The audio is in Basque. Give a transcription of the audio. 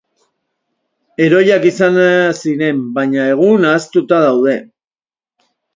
Heroiak izan ziren, baina egun ahaztuta daude.